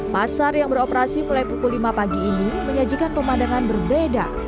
pasar yang beroperasi mulai pukul lima pagi ini menyajikan pemandangan berbeda